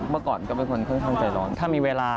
แล้วอนาคตเราจะทำยังไง